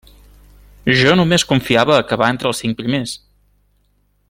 Jo només confiava a acabar entre els cinc primers.